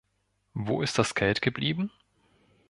Wo ist das Geld geblieben?